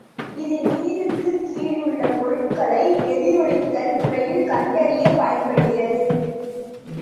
இது நீருக்குக் கீழுள்ள பொருள்களை எதிரொலித்தல் முறையில் கண்டறியப் பயன்படுகிறது.